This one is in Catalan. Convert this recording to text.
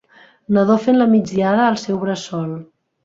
Nadó fent la migdiada al seu bressol.